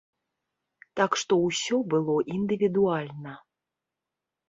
Так што ўсё было індывідуальна.